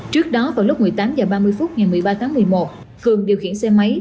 trước đó vào lúc một mươi tám h ba mươi phút ngày một mươi ba tháng một mươi một cường điều khiển xe máy